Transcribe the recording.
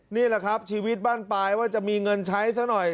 นี่แหละครับชีวิตบ้านปลายว่าจะมีเงินใช้ซะหน่อย